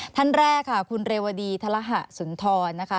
ท่านแรกค่ะคุณเรวดีธรหะสุนทรนะคะ